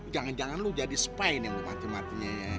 jangan jangan lo jadi spy nih mau mati matinya ya